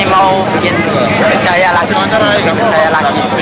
mau bikin berjaya lagi mau berjaya lagi